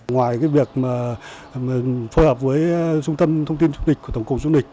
ngoài việc phối hợp với trung tâm thông tin du lịch của tổng cụng du lịch